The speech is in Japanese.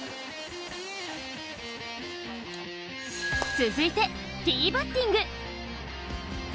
続いてティーバッティング。